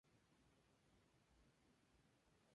Tiene anticongelante para soportar las bajas temperaturas.